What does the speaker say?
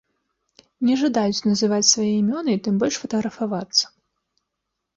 Не жадаюць называць свае імёны і тым больш фатаграфавацца.